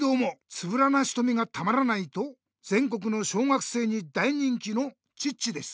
つぶらなひとみがたまらないとぜん国の小学生に大人気のチッチです。